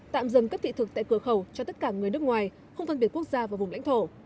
tạm dừng các thị thực tại cửa khẩu cho tất cả người nước ngoài không phân biệt quốc gia và vùng lãnh thổ